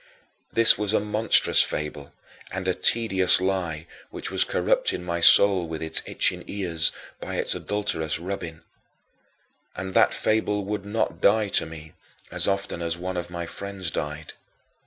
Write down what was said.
This was a monstrous fable and a tedious lie which was corrupting my soul with its "itching ears" by its adulterous rubbing. And that fable would not die to me as often as one of my friends died.